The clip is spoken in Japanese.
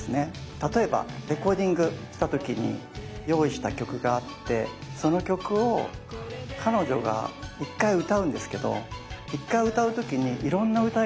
例えばレコーディングした時に用意した曲があってその曲を彼女が１回歌うんですけど１回歌う時にいろんな歌い方するんですよ。